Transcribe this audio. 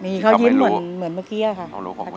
มีเขายิ้มเหมือนเมื่อกี้ค่ะ